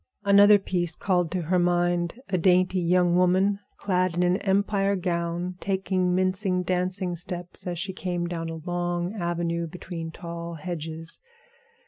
Another piece called to her mind a dainty young woman clad in an Empire gown, taking mincing dancing steps as she came down a long avenue between tall hedges.